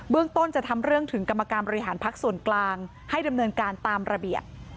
ต้นจะทำเรื่องถึงกรรมการบริหารพักส่วนกลางให้ดำเนินการตามระเบียบ